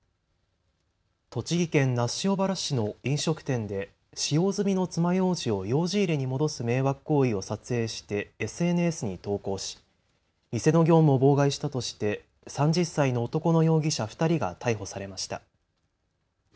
栃木県那須塩原市の飲食店で使用済みのつまようじをようじ入れに戻す迷惑行為を撮影してＳＮＳに投稿し店の業務を妨害したとして３０歳の男の容疑者２人が逮捕されました。